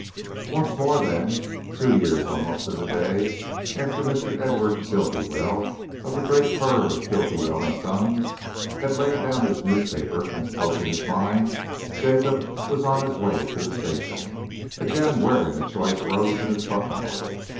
Once more, then, two years almost to a day after Mr. Edward Bultiwell, of the great firm of Bultiwell and Sons, had laid down his newspaper and spoken his mind, Jacob was on his way to the station, again wearing a choice rose in his buttonhole.